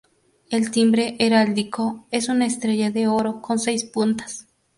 El "timbre heráldico" es una estrella "de oro" con seis puntas.